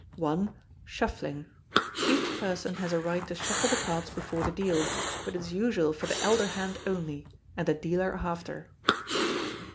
i. Shuffling Each person has a right to shuffle the cards before the deal; but it is usual for the elder hand only; and the dealer after.